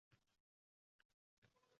Tiyoko vokzalga etib bordi